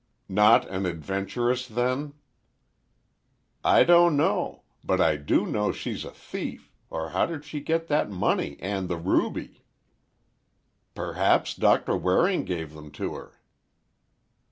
"Not an adventuress, then?" "I don't know. But I do know she's a thief—or how did she get that money and the ruby?" "Perhaps Doctor Waring gave them to her?"